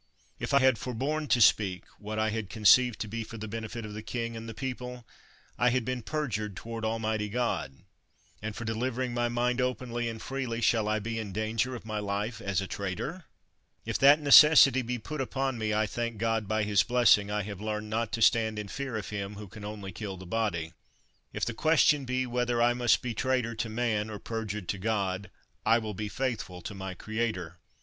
If I had forborne to speak what I conceived to be for the benefit of the king and the people, I had been perjured toward Almighty God. And for delivering my 73 THE WORLD'S FAMOUS ORATIONS mind openly and freely, shall I be in danger of my life as a traitor? If that necessity be put upon me, I thank God, by his blessing, I have learned not to stand in fear of him who can only kill the body. If the question be whether I must be traitor to man or perjured to God, I will be faithful to my creator.